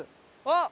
あっ！